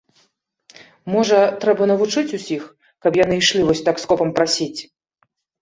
Можа, трэба навучыць усіх, каб яны ішлі вось так скопам прасіць.